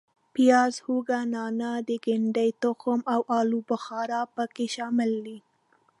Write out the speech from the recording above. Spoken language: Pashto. پیاز، هوګه، نانا، د ګدنې تخم او آلو بخارا په کې شامل دي.